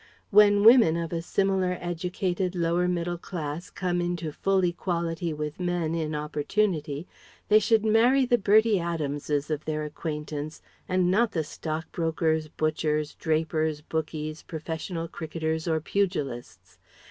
When women of a similar educated lower middle class come into full equality with men in opportunity, they should marry the Bertie Adamses of their acquaintance and not the stockbrokers, butchers, drapers, bookies, professional cricketers or pugilists.